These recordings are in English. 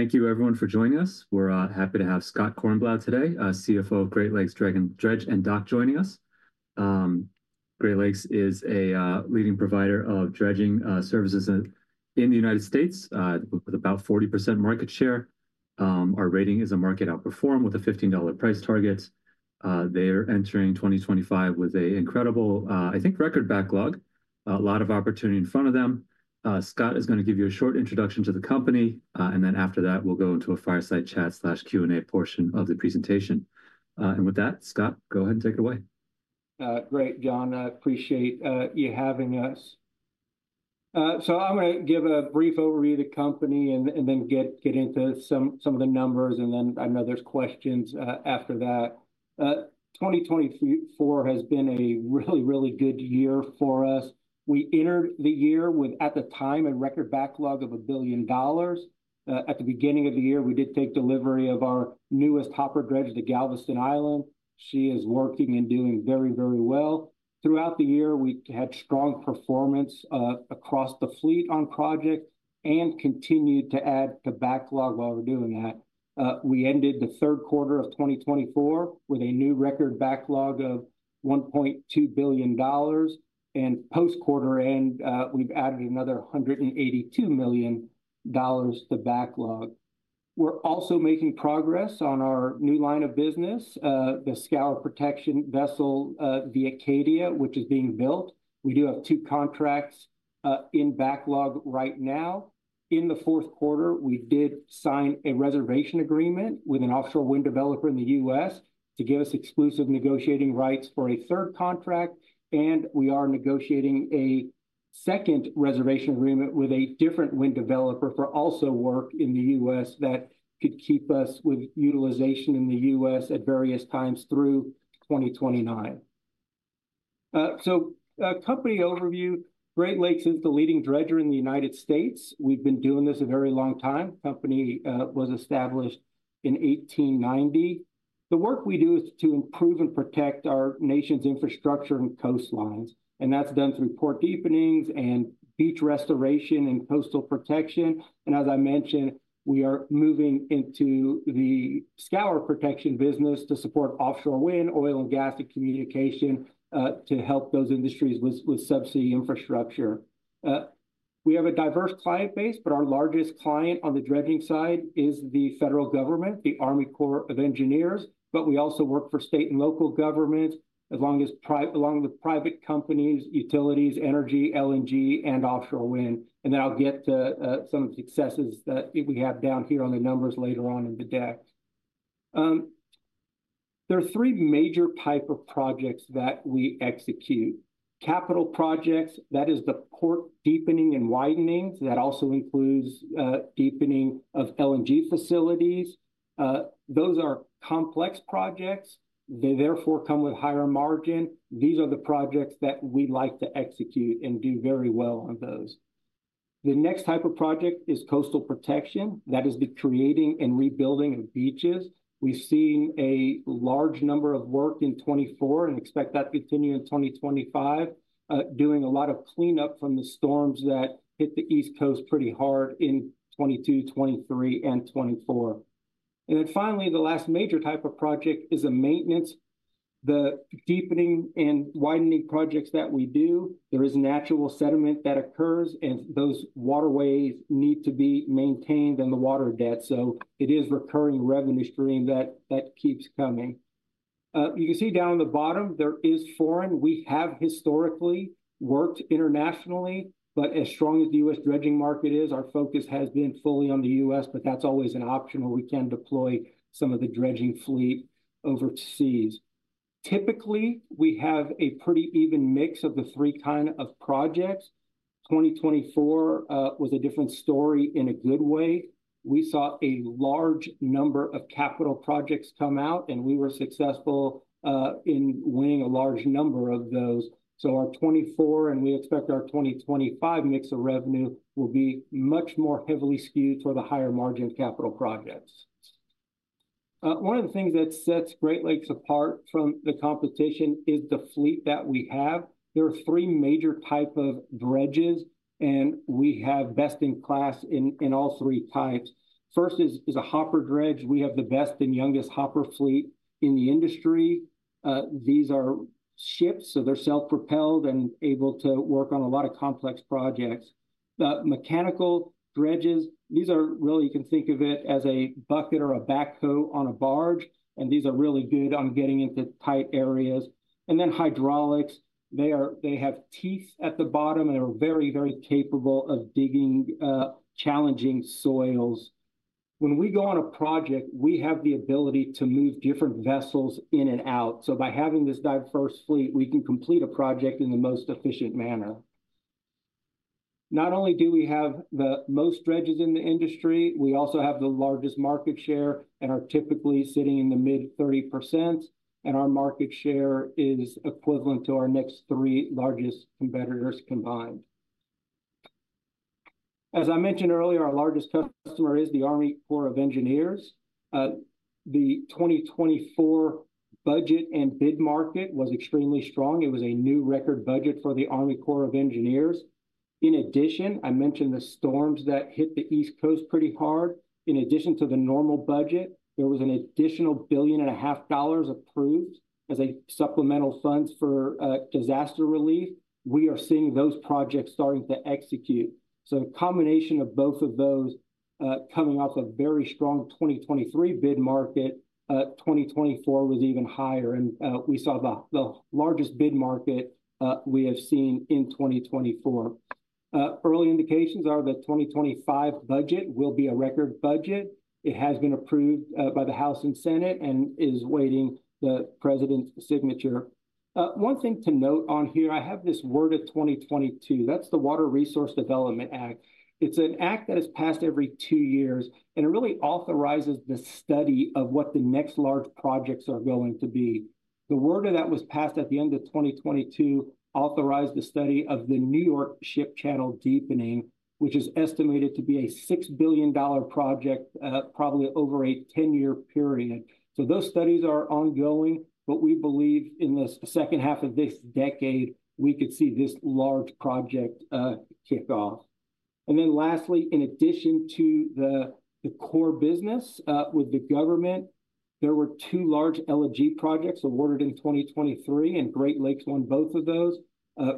Great. Thank you, everyone, for joining us. We're happy to have Scott Kornblau today, CFO of Great Lakes Dredge & Dock, joining us. Great Lakes is a leading provider of dredging services in the United States, with about 40% market share. Our rating is a market outperform, with a $15 price target. They are entering 2025 with an incredible, I think, record backlog. A lot of opportunity in front of them. Scott is going to give you a short introduction to the company, and then after that, we'll go into a fireside chat Q&A portion of the presentation, and with that, Scott, go ahead and take it away. Great, John. Appreciate you having us. So I'm going to give a brief overview of the company and then get into some of the numbers, and then I know there's questions after that. 2024 has been a really, really good year for us. We entered the year with, at the time, a record backlog of $1 billion. At the beginning of the year, we did take delivery of our newest hopper dredge, the Galveston Island. She is working and doing very, very well. Throughout the year, we had strong performance across the fleet on projects and continued to add to backlog while we're doing that. We ended the third quarter of 2024 with a new record backlog of $1.2 billion, and post-quarter-end, we've added another $182 million to backlog. We're also making progress on our new line of business, the scour protection vessel, the Acadia, which is being built. We do have two contracts in backlog right now. In the fourth quarter, we did sign a reservation agreement with an offshore wind developer in the U.S. to give us exclusive negotiating rights for a third contract, and we are negotiating a second reservation agreement with a different wind developer for also work in the U.S. that could keep us with utilization in the U.S. at various times through 2029. So a company overview: Great Lakes is the leading dredger in the United States. We've been doing this a very long time. The company was established in 1890. The work we do is to improve and protect our nation's infrastructure and coastlines, and that's done through port deepenings and beach restoration and coastal protection. As I mentioned, we are moving into the scour protection business to support offshore wind, oil, and gas communication to help those industries with subsea infrastructure. We have a diverse client base, but our largest client on the dredging side is the federal government, the U.S. Army Corps of Engineers, but we also work for state and local governments along with private companies, utilities, energy, LNG, and offshore wind. Then I'll get to some of the successes that we have down here on the numbers later on in the deck. There are three major types of projects that we execute: capital projects, that is, the port deepening and widenings, that also includes deepening of LNG facilities. Those are complex projects. They therefore come with higher margin. These are the projects that we like to execute and do very well on those. The next type of project is coastal protection, that is, the creating and rebuilding of beaches. We've seen a large number of work in 2024 and expect that to continue in 2025, doing a lot of cleanup from the storms that hit the East Coast pretty hard in 2022, 2023, and 2024. Then finally, the last major type of project is maintenance. The deepening and widening projects that we do, there is natural sediment that occurs, and those waterways need to be maintained, and the water depth. It is a recurring revenue stream that keeps coming. You can see down on the bottom, there is foreign. We have historically worked internationally, but as strong as the U.S. dredging market is, our focus has been fully on the U.S., but that's always an option where we can deploy some of the dredging fleet overseas. Typically, we have a pretty even mix of the three kinds of projects. 2024 was a different story in a good way. We saw a large number of capital projects come out, and we were successful in winning a large number of those. So our '24 and we expect our 2025 mix of revenue will be much more heavily skewed toward the higher margin capital projects. One of the things that sets Great Lakes apart from the competition is the fleet that we have. There are three major types of dredges, and we have best in class in all three types. First is a hopper dredge. We have the best and youngest hopper fleet in the industry. These are ships, so they're self-propelled and able to work on a lot of complex projects. Mechanical dredges, these are really, you can think of it as a bucket or a backhoe on a barge, and these are really good on getting into tight areas. Then hydraulics, they have teeth at the bottom, and they're very, very capable of digging challenging soils. When we go on a project, we have the ability to move different vessels in and out. So by having this diverse fleet, we can complete a project in the most efficient manner. Not only do we have the most dredges in the industry, we also have the largest market share and are typically sitting in the mid-30%, and our market share is equivalent to our next three largest competitors combined. As I mentioned earlier, our largest customer is the U.S. Army Corps of Engineers. The 2024 budget and bid market was extremely strong. It was a new record budget for the Army Corps of Engineers. In addition, I mentioned the storms that hit the East Coast pretty hard. In addition to the normal budget, there was an additional $1.5 billion approved as supplemental funds for disaster relief. We are seeing those projects starting to execute, so a combination of both of those, coming off a very strong 2023 bid market. 2024 was even higher, and we saw the largest bid market we have seen in 2024. Early indications are that the 2025 budget will be a record budget. It has been approved by the House and Senate and is awaiting the president's signature. One thing to note on here, I have this WRDA 2022. That's the Water Resources Development Act. It's an act that is passed every two years, and it really authorizes the study of what the next large projects are going to be. The WRDA that was passed at the end of 2022 authorized the study of the New York Ship Channel deepening, which is estimated to be a $6 billion project, probably over a 10-year period. So those studies are ongoing, but we believe in the second half of this decade, we could see this large project kick off. And then lastly, in addition to the core business with the government, there were two large LNG projects awarded in 2023, and Great Lakes won both of those,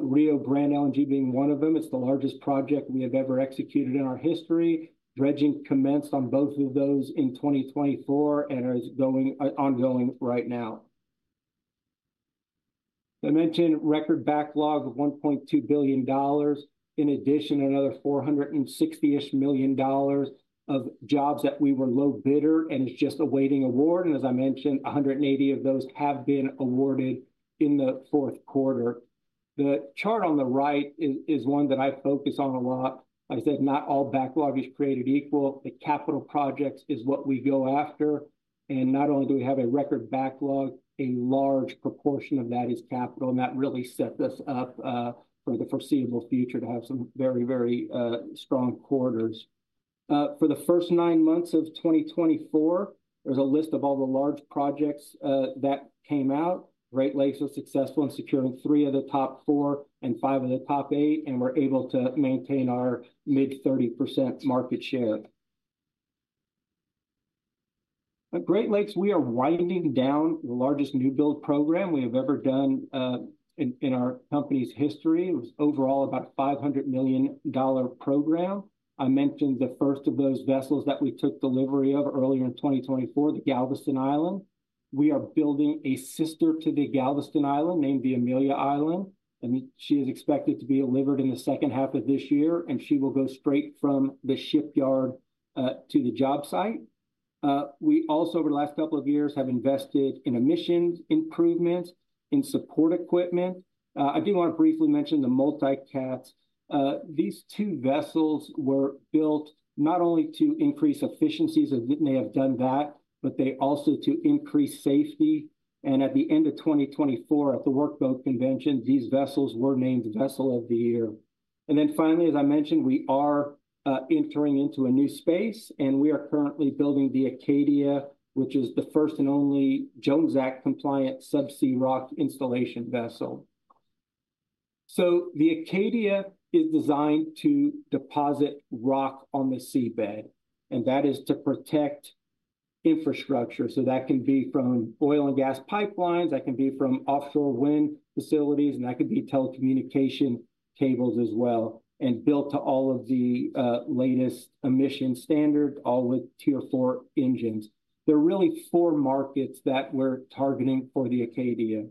Rio Grande LNG being one of them. It's the largest project we have ever executed in our history. Dredging commenced on both of those in 2024 and is ongoing right now. I mentioned record backlog of $1.2 billion. In addition, another $460 million of jobs that we were low bidder and is just awaiting award, and as I mentioned, $180 million of those have been awarded in the fourth quarter. The chart on the right is one that I focus on a lot. I said not all backlog is created equal. The capital projects is what we go after, and not only do we have a record backlog, a large proportion of that is capital, and that really sets us up for the foreseeable future to have some very, very strong quarters. For the first nine months of 2024, there's a list of all the large projects that came out. Great Lakes was successful in securing three of the top four and five of the top eight, and we're able to maintain our mid-30% market share. At Great Lakes, we are winding down the largest new build program we have ever done in our company's history. It was overall about a $500 million program. I mentioned the first of those vessels that we took delivery of earlier in 2024, the Galveston Island. We are building a sister to the Galveston Island named the Amelia Island, and she will be delivered in the second half of this year, and she will go straight from the shipyard to the job site. We also, over the last couple of years, have invested in emissions improvements, in support equipment. I do want to briefly mention the Multi Cats. These two vessels were built not only to increase efficiencies, as they have done that, but also to increase safety, and at the end of 2024, at the WorkBoat Convention, these vessels were named Vessel of the Year. And then finally, as I mentioned, we are entering into a new space, and we are currently building the Acadia, which is the first and only Jones Act-compliant subsea rock installation vessel, so the Acadia is designed to deposit rock on the seabed, and that is to protect infrastructure, so that can be from oil and gas pipelines, that can be from offshore wind facilities, and that could be telecommunication cables as well, and built to all of the latest emission standards, all with Tier 4 engines. There are really four markets that we're targeting for the Acadia.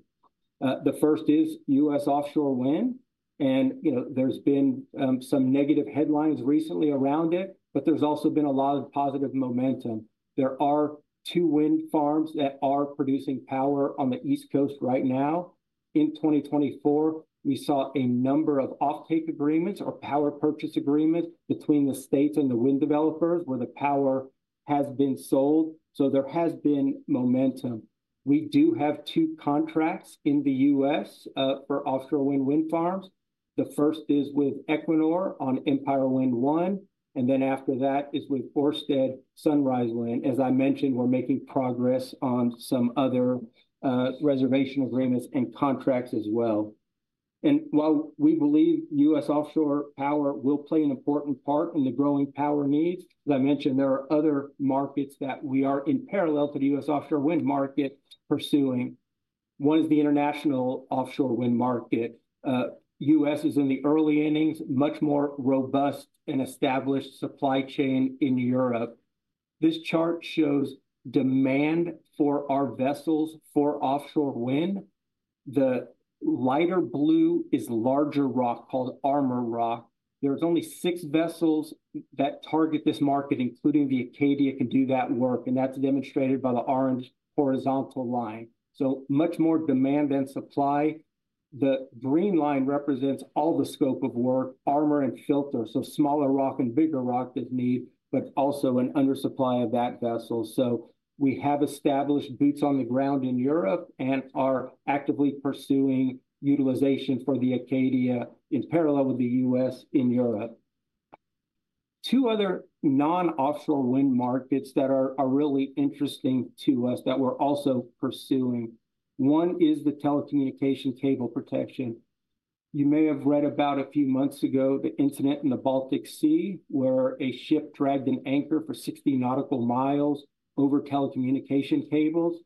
The first is U.S. offshore wind, and there's been some negative headlines recently around it, but there's also been a lot of positive momentum. There are two wind farms that are producing power on the East Coast right now. In 2024, we saw a number of offtake agreements or power purchase agreements between the states and the wind developers where the power has been sold. So there has been momentum. We do have two contracts in the U.S. for offshore wind farms. The first is with Equinor on Empire Wind 1, and then after that is with Ørsted Sunrise Wind. As I mentioned, we're making progress on some other reservation agreements and contracts as well. And while we believe U.S. offshore power will play an important part in the growing power needs, as I mentioned, there are other markets that we are in parallel to the U.S. offshore wind market pursuing. One is the international offshore wind market. U.S. is in the early innings, much more robust and established supply chain in Europe. This chart shows demand for our vessels for offshore wind. The lighter blue is larger rock called armor rock. There are only six vessels that target this market, including the Acadia, can do that work, and that's demonstrated by the orange horizontal line, so much more demand than supply. The green line represents all the scope of work, armor and filter, so smaller rock and bigger rock that's needed, but also an undersupply of that vessel, so we have established boots on the ground in Europe and are actively pursuing utilization for the Acadia in parallel with the U.S. in Europe. Two other non-offshore wind markets that are really interesting to us that we're also pursuing. One is the telecommunication cable protection. You may have read about a few months ago the incident in the Baltic Sea where a ship dragged an anchor for 60 nautical miles over telecommunication cables.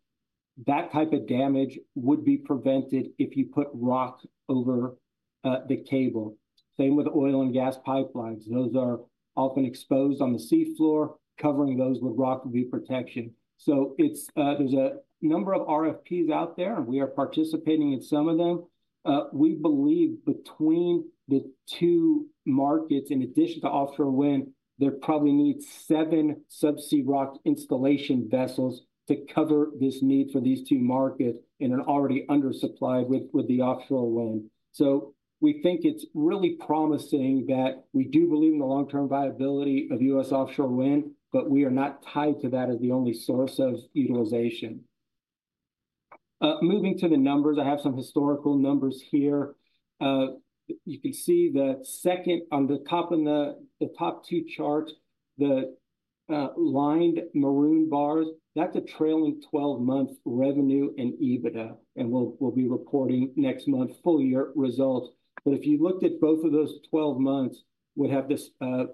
That type of damage would be prevented if you put rock over the cable. Same with oil and gas pipelines. Those are often exposed on the seafloor. Covering those with rock would be protection. So there's a number of RFPs out there, and we are participating in some of them. We believe between the two markets, in addition to offshore wind, there probably needs seven subsea rock installation vessels to cover this need for these two markets in an already undersupplied with the offshore wind. So we think it's really promising that we do believe in the long-term viability of U.S. offshore wind, but we are not tied to that as the only source of utilization. Moving to the numbers, I have some historical numbers here. You can see the second on the top of the top two charts, the lined maroon bars. That's a trailing 12-month revenue in EBITDA, and we'll be reporting next month full year results. But if you looked at both of those 12 months, we'd have this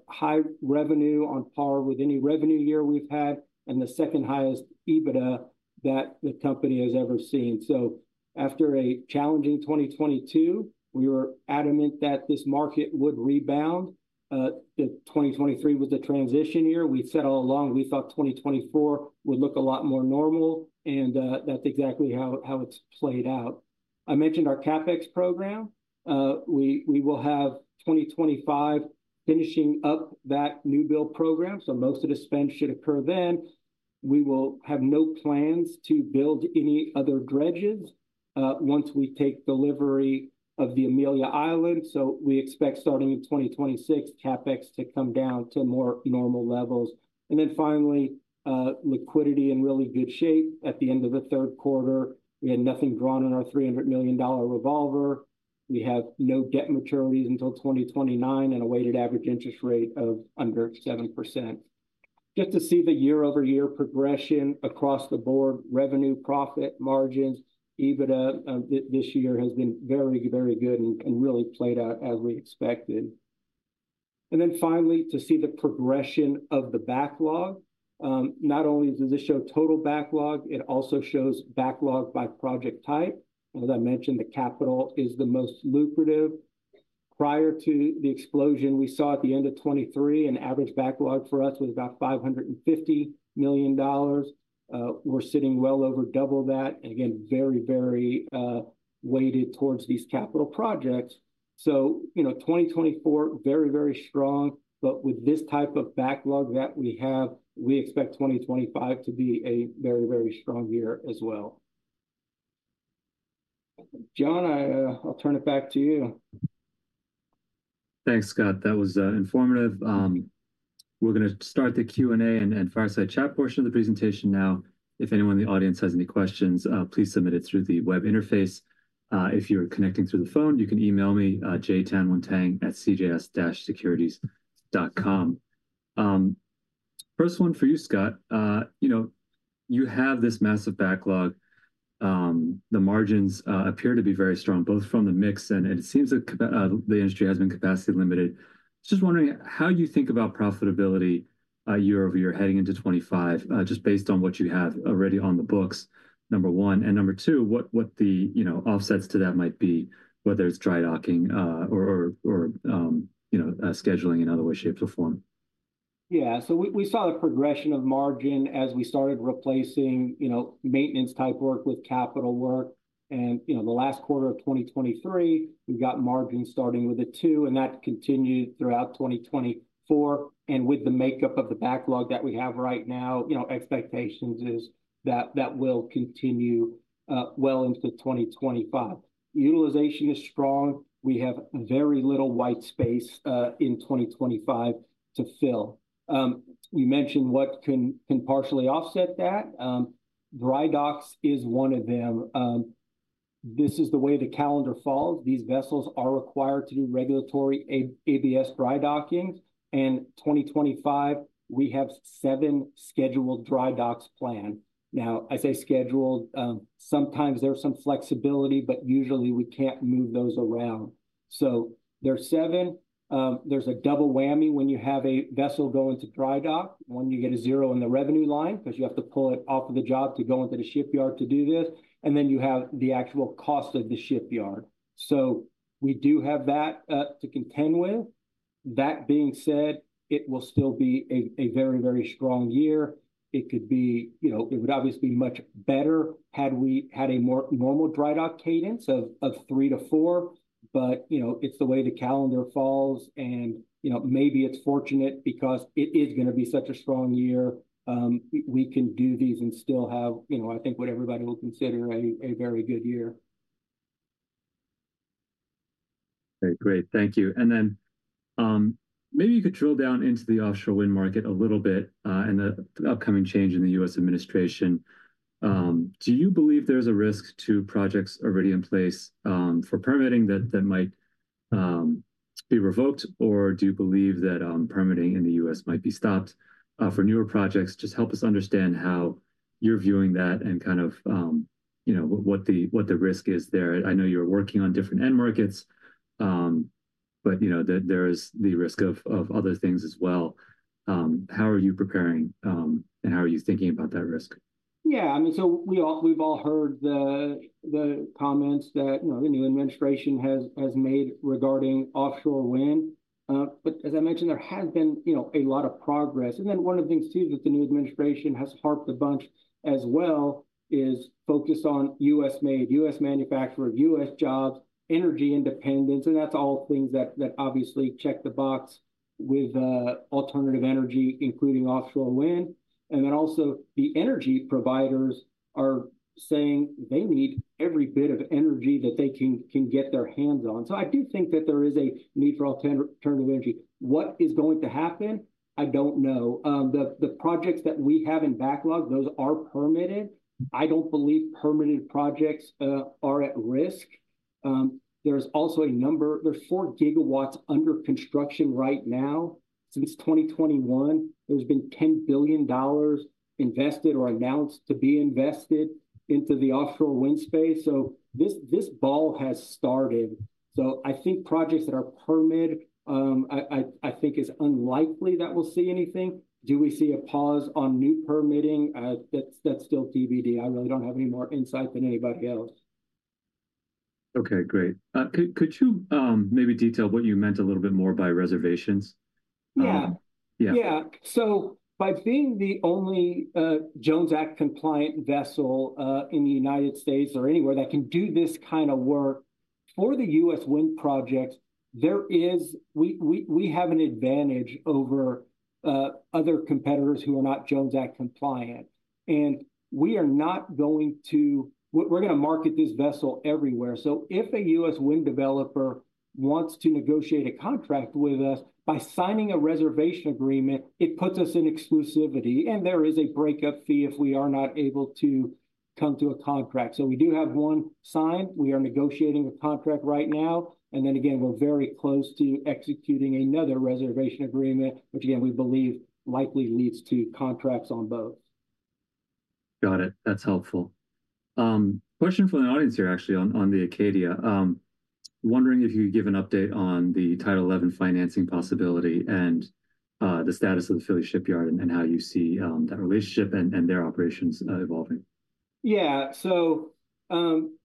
high revenue on par with any revenue year we've had and the second highest EBITDA that the company has ever seen. So after a challenging 2022, we were adamant that this market would rebound. The 2023 was the transition year. We said all along we thought 2024 would look a lot more normal, and that's exactly how it's played out. I mentioned our CapEx program. We will have 2025 finishing up that new build program, so most of the spend should occur then. We will have no plans to build any other dredges once we take delivery of the Amelia Island. So we expect starting in 2026, CapEx to come down to more normal levels. And then finally, liquidity in really good shape at the end of the third quarter. We had nothing drawn on our $300 million revolver. We have no debt maturities until 2029 and a weighted average interest rate of under 7%. Just to see the year-over-year progression across the board, revenue, profit margins, EBITDA this year has been very, very good and really played out as we expected. And then finally, to see the progression of the backlog. Not only does this show total backlog, it also shows backlog by project type. As I mentioned, the capital is the most lucrative. Prior to the explosion we saw at the end of 2023, an average backlog for us was about $550 million. We're sitting well over double that, and again, very, very weighted towards these capital projects. So, 2024 very, very strong, but with this type of backlog that we have, we expect 2025 to be a very, very strong year as well. John, I'll turn it back to you. Thanks, Scott. That was informative. We're going to start the Q&A and fireside chat portion of the presentation now. If anyone in the audience has any questions, please submit it through the web interface. If you're connecting through the phone, you can email me jtanwonteng@cjs-securities.com. First one for you, Scott. You have this massive backlog. The margins appear to be very strong, both from the mix, and it seems the industry has been capacity limited. Just wondering how you think about profitability year-over-year heading into 2025, just based on what you have already on the books, number one. Number two, what the offsets to that might be, whether it's dry docking or scheduling in other ways, shapes, or form. Yeah, so we saw a progression of margin as we started replacing maintenance-type work with capital work. The last quarter of 2023, we got margin starting with a two, and that continued throughout 2024. With the makeup of the backlog that we have right now, expectations are that that will continue well into 2025. Utilization is strong. We have very little white space in 2025 to fill. You mentioned what can partially offset that. Dry docks is one of them. This is the way the calendar falls. These vessels are required to do regulatory ABS dry docking. In 2025, we have seven scheduled dry docks planned. Now, I say scheduled. Sometimes there's some flexibility, but usually we can't move those around. There's seven. There's a double whammy when you have a vessel go into dry dock, when you get a zero in the revenue line because you have to pull it off of the job to go into the shipyard to do this, and then you have the actual cost of the shipyard. So we do have that to contend with. That being said, it will still be a very, very strong year. It could be. It would obviously be much better had we had a more normal dry dock cadence of three to four, but it's the way the calendar falls, and maybe it's fortunate because it is going to be such a strong year. We can do these and still have, I think, what everybody will consider a very good year. Okay, great. Thank you. And then maybe you could drill down into the offshore wind market a little bit and the upcoming change in the U.S. administration. Do you believe there's a risk to projects already in place for permitting that might be revoked, or do you believe that permitting in the U.S. might be stopped for newer projects? Just help us understand how you're viewing that and kind of what the risk is there. I know you're working on different end markets, but there is the risk of other things as well. How are you preparing, and how are you thinking about that risk? Yeah, I mean, so we've all heard the comments that the new administration has made regarding offshore wind. But as I mentioned, there has been a lot of progress. And then one of the things too that the new administration has harped a bunch as well is focus on U.S. made, U.S. manufactured, U.S. jobs, energy independence. And that's all things that obviously check the box with alternative energy, including offshore wind. And then also the energy providers are saying they need every bit of energy that they can get their hands on. So I do think that there is a need for alternative energy. What is going to happen? I don't know. The projects that we have in backlog, those are permitted. I don't believe permitted projects are at risk. There's also a number, there's four gigawatts under construction right now. Since 2021, there's been $10 billion invested or announced to be invested into the offshore wind space. So this ball has started. So I think projects that are permitted, I think it's unlikely that we'll see anything. Do we see a pause on new permitting? That's still TBD. I really don't have any more insight than anybody else. Okay, great. Could you maybe detail what you meant a little bit more by reservations? Yeah. Yeah. Yeah. So by being the only Jones Act-compliant vessel in the United States or anywhere that can do this kind of work for the U.S. wind projects, we have an advantage over other competitors who are not Jones Act-compliant. And we are not going to, we're going to market this vessel everywhere. So if a U.S. wind developer wants to negotiate a contract with us by signing a reservation agreement, it puts us in exclusivity. And there is a breakup fee if we are not able to come to a contract. So we do have one signed. We are negotiating a contract right now. And then again, we're very close to executing another reservation agreement, which again, we believe likely leads to contracts on boats. Got it. That's helpful. Question from the audience here, actually, on the Acadia. Wondering if you could give an update on the Title XI financing possibility and the status of the Philly Shipyard and how you see that relationship and their operations evolving. Yeah. So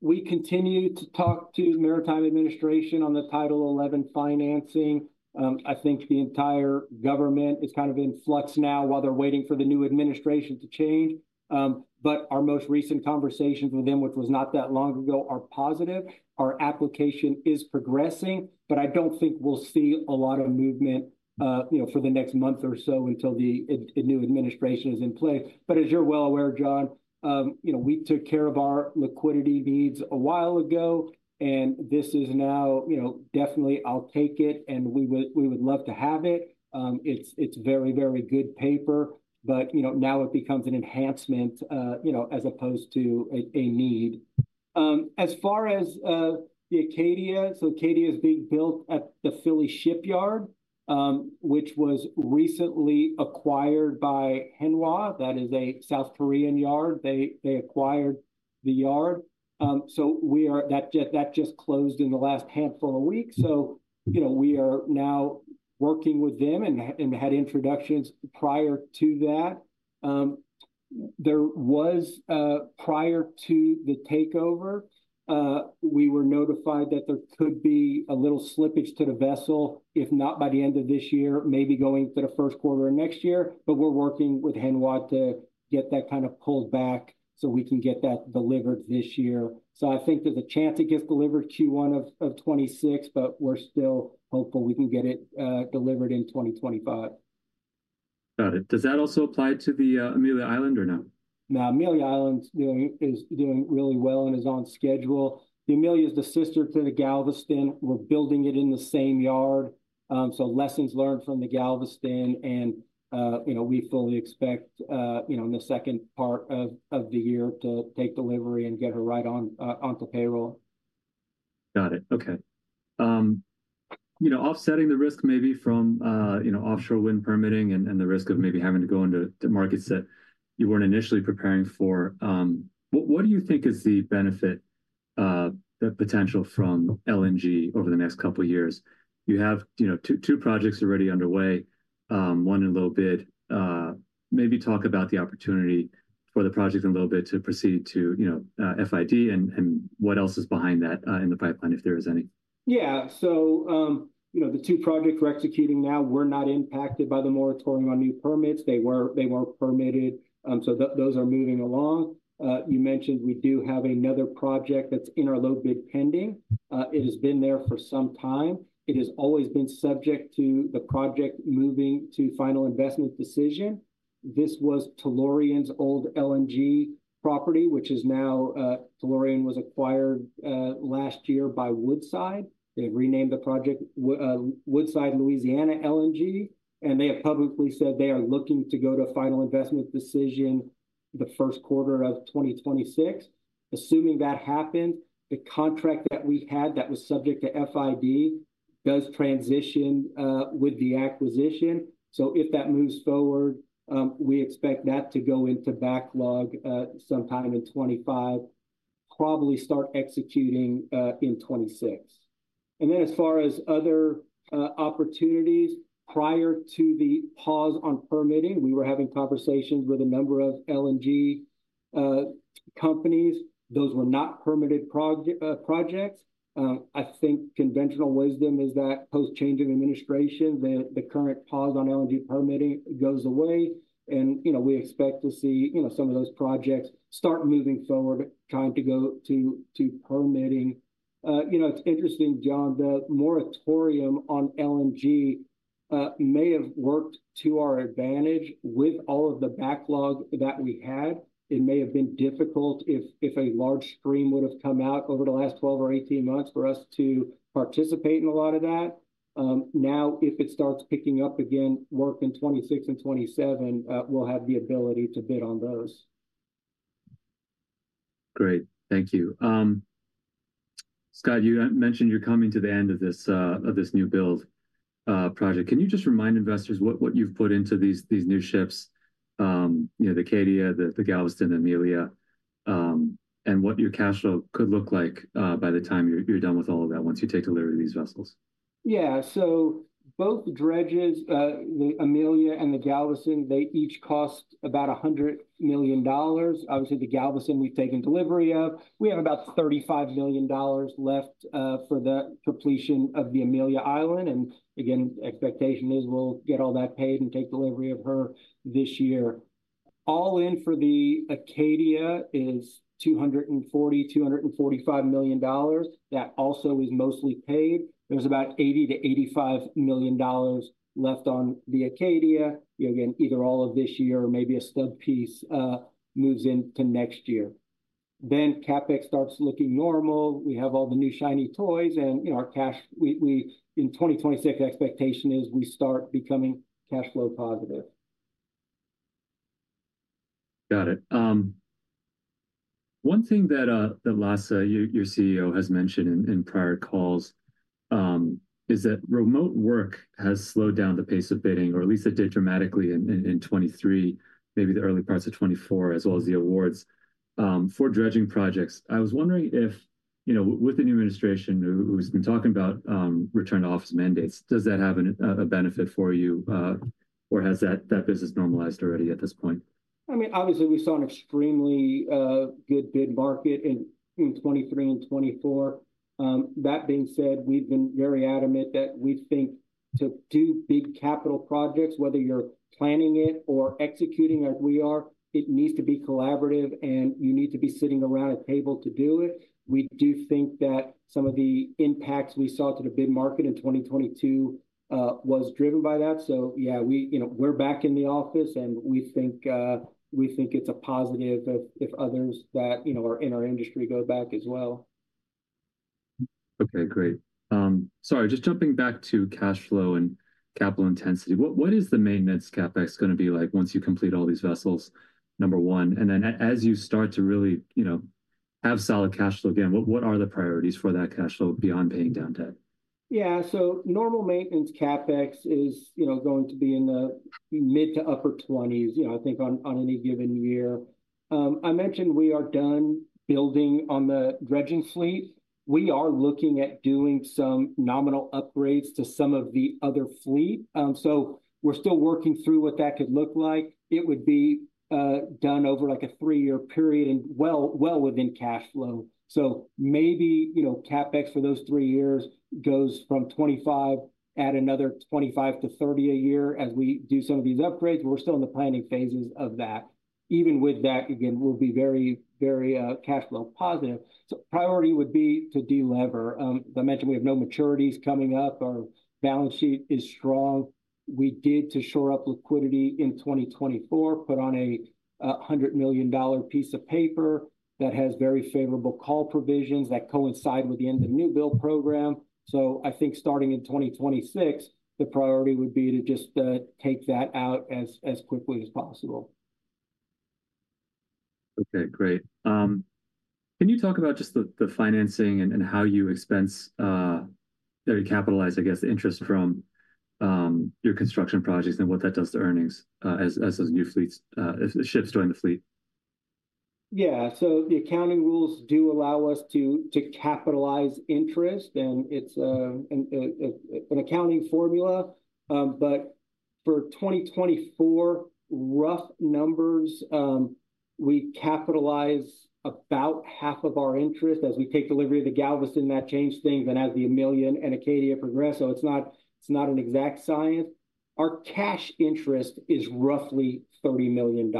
we continue to talk to the Maritime Administration on the Title XI financing. I think the entire government is kind of in flux now while they're waiting for the new administration to change. But our most recent conversations with them, which was not that long ago, are positive. Our application is progressing, but I don't think we'll see a lot of movement for the next month or so until the new administration is in place. But as you're well aware, John, we took care of our liquidity needs a while ago, and this is now definitely. I'll take it and we would love to have it. It's very, very good paper, but now it becomes an enhancement as opposed to a need. As far as the Acadia, so Acadia is being built at the Philly Shipyard, which was recently acquired by Hanwha. That is a South Korean yard. They acquired the yard. So that just closed in the last handful of weeks. So we are now working with them and had introductions prior to that. There was, prior to the takeover, we were notified that there could be a little slippage to the vessel, if not by the end of this year, maybe going to the first quarter of next year. But we're working with Hanwha to get that kind of pulled back so we can get that delivered this year. So I think there's a chance it gets delivered Q1 of 2026, but we're still hopeful we can get it delivered in 2025. Got it. Does that also apply to the Amelia Island or no? No, Amelia Island is doing really well and is on schedule. The Amelia is the sister to the Galveston. We're building it in the same yard. So lessons learned from the Galveston. And we fully expect in the second part of the year to take delivery and get her right onto payroll. Got it. Okay. Offsetting the risk maybe from offshore wind permitting and the risk of maybe having to go into markets that you weren't initially preparing for. What do you think is the benefit, the potential from LNG over the next couple of years? You have two projects already underway, one in low bid. Maybe talk about the opportunity for the project in low bid to proceed to FID and what else is behind that in the pipeline, if there is any. Yeah. So the two projects we're executing now, we're not impacted by the moratorium on new permits. They weren't permitted. So those are moving along. You mentioned we do have another project that's in our low bid pending. It has been there for some time. It has always been subject to the project moving to final investment decision. This was Tellurian's old LNG property, which is now. Tellurian was acquired last year by Woodside. They renamed the project Woodside Louisiana LNG. They have publicly said they are looking to go to final investment decision the first quarter of 2026. Assuming that happens, the contract that we had that was subject to FID does transition with the acquisition. If that moves forward, we expect that to go into backlog sometime in 2025, probably start executing in 2026. As far as other opportunities, prior to the pause on permitting, we were having conversations with a number of LNG companies. Those were not permitted projects. I think conventional wisdom is that post-change of administration, the current pause on LNG permitting goes away. We expect to see some of those projects start moving forward, trying to go to permitting. It's interesting, John, the moratorium on LNG may have worked to our advantage with all of the backlog that we had. It may have been difficult if a large stream would have come out over the last 12 or 18 months for us to participate in a lot of that. Now, if it starts picking up again, work in 2026 and 2027, we'll have the ability to bid on those. Great. Thank you. Scott, you mentioned you're coming to the end of this new build project. Can you just remind investors what you've put into these new ships, the Acadia, the Galveston, the Amelia, and what your cash flow could look like by the time you're done with all of that once you take delivery of these vessels? Yeah. So both dredges, the Amelia, and the Galveston, they each cost about $100 million. Obviously, the Galveston we've taken delivery of, we have about $35 million left for the completion of the Amelia Island. Again, expectation is we'll get all that paid and take delivery of her this year. All in for the Acadia is $240 million-$245 million. That also is mostly paid. There's about $80 million-$85 million left on the Acadia. Again, either all of this year or maybe a stub piece moves into next year. Then CapEx starts looking normal. We have all the new shiny toys. And our cash, in 2026, expectation is we start becoming cash flow positive. Got it. One thing that Lasse, your CEO, has mentioned in prior calls is that remote work has slowed down the pace of bidding, or at least it did dramatically in 2023, maybe the early parts of 2024, as well as the awards for dredging projects. I was wondering if, with the new administration, who's been talking about return to office mandates, does that have a benefit for you, or has that business normalized already at this point? I mean, obviously, we saw an extremely good bid market in 2023 and 2024. That being said, we've been very adamant that we think to do big capital projects, whether you're planning it or executing as we are, it needs to be collaborative, and you need to be sitting around a table to do it. We do think that some of the impacts we saw to the bid market in 2022 was driven by that. So yeah, we're back in the office, and we think it's a positive if others that are in our industry go back as well. Okay, great. Sorry, just jumping back to cash flow and capital intensity. What is the maintenance CapEx going to be like once you complete all these vessels, number one? And then as you start to really have solid cash flow again, what are the priorities for that cash flow beyond paying down debt? Yeah, so normal maintenance CapEx is going to be in the mid to upper 20s, I think, on any given year. I mentioned we are done building on the dredging fleet. We are looking at doing some nominal upgrades to some of the other fleet. So we're still working through what that could look like. It would be done over like a three-year period and well within cash flow. So maybe CapEx for those three years goes from 25, add another 25-30 a year as we do some of these upgrades. We're still in the planning phases of that. Even with that, again, we'll be very, very cash flow positive. So priority would be to deliver. I mentioned we have no maturities coming up. Our balance sheet is strong. We did to shore up liquidity in 2024, put on a $100 million piece of paper that has very favorable call provisions that coincide with the end of the new build program. So I think starting in 2026, the priority would be to just take that out as quickly as possible. Okay, great. Can you talk about just the financing and how you expense, how you capitalize, I guess, the interest from your construction projects and what that does to earnings as those new fleets, ships join the fleet? Yeah. So the accounting rules do allow us to capitalize interest, and it's an accounting formula. But for 2024, rough numbers, we capitalize about half of our interest as we take delivery of the Galveston. That changes things then as the Amelia and Acadia progress. So it's not an exact science. Our cash interest is roughly $30 million.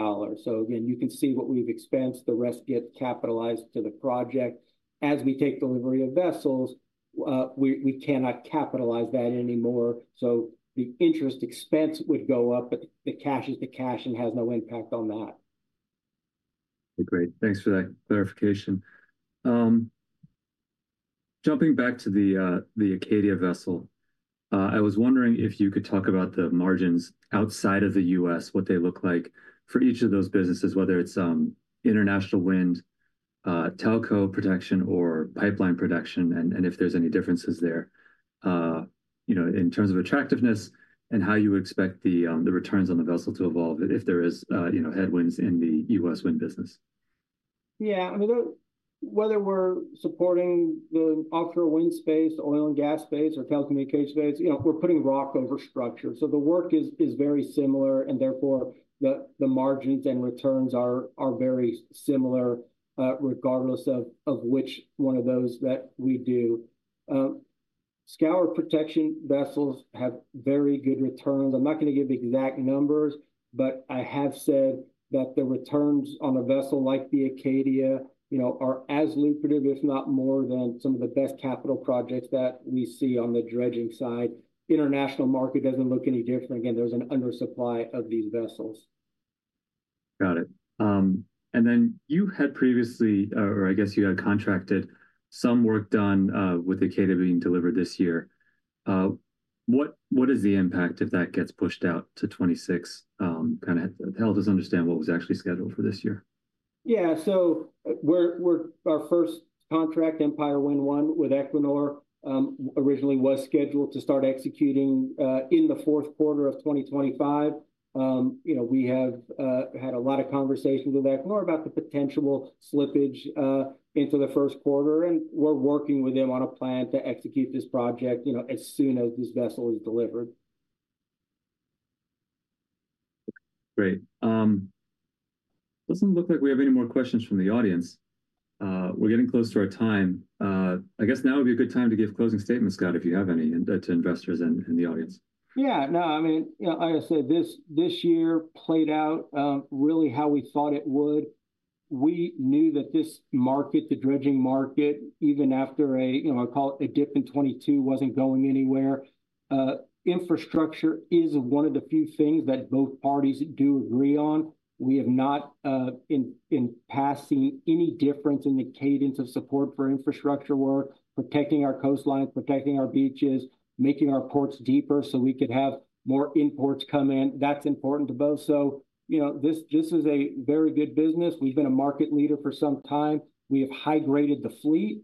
So again, you can see what we've expensed. The rest gets capitalized to the project. As we take delivery of vessels, we cannot capitalize that anymore. So the interest expense would go up, but the cash is the cash and has no impact on that. Okay, great. Thanks for that clarification. Jumping back to the Acadia vessel, I was wondering if you could talk about the margins outside of the U.S., what they look like for each of those businesses, whether it's international wind, telco production, or pipeline production, and if there's any differences there in terms of attractiveness and how you expect the returns on the vessel to evolve if there are headwinds in the U.S. wind business. Yeah. I mean, whether we're supporting the offshore wind space, oil and gas space, or telecommunication space, we're putting rock over structure. So the work is very similar, and therefore, the margins and returns are very similar regardless of which one of those that we do. Scour protection vessels have very good returns. I'm not going to give exact numbers, but I have said that the returns on a vessel like the Acadia are as lucrative, if not more, than some of the best capital projects that we see on the dredging side. International market doesn't look any different. Again, there's an undersupply of these vessels. Got it. And then you had previously, or I guess you had contracted some work done with Acadia being delivered this year. What is the impact if that gets pushed out to 2026? Kind of help us understand what was actually scheduled for this year. Yeah. So our first contract, Empire Wind 1 with Equinor, originally was scheduled to start executing in the fourth quarter of 2025. We have had a lot of conversations with Equinor about the potential slippage into the first quarter, and we're working with them on a plan to execute this project as soon as this vessel is delivered. Great. Doesn't look like we have any more questions from the audience. We're getting close to our time. I guess now would be a good time to give closing statements, Scott, if you have any to investors and the audience. Yeah. No, I mean, like I said, this year played out really how we thought it would. We knew that this market, the dredging market, even after a, I'll call it a dip in 2022, wasn't going anywhere. Infrastructure is one of the few things that both parties do agree on. We have not seen any difference in the cadence of support for infrastructure work, protecting our coastline, protecting our beaches, making our ports deeper so we could have more imports come in. That's important to both, so this is a very good business. We've been a market leader for some time. We have high-graded the fleet,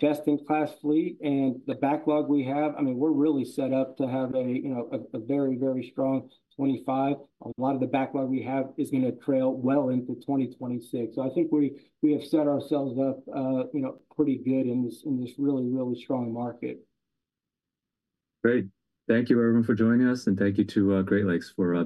best-in-class fleet, and the backlog we have. I mean, we're really set up to have a very, very strong 2025. A lot of the backlog we have is going to trail well into 2026. I think we have set ourselves up pretty good in this really, really strong market. Great. Thank you, everyone, for joining us, and thank you to Great Lakes for.